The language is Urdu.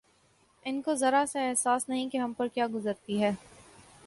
ان کو ذرا سا احساس نہیں کہ ہم پر کیا گزرتی ہے